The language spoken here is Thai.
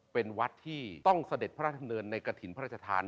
เป็นวัดที่ต้องเสด็จพระราชดำเนินในกระถิ่นพระราชทาน